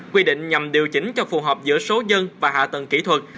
quy định nhằm điều chỉnh cho phù hợp giữa số dân và hạ tầng kỹ thuật